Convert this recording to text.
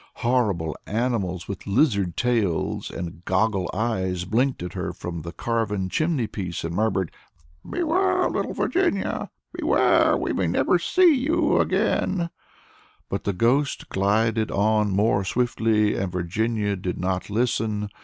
Horrible animals with lizard tails and goggle eyes blinked at her from the carven chimney piece, and murmured, "Beware! little Virginia, beware! we may never see you again," but the ghost glided on more swiftly, and Virginia did not listen.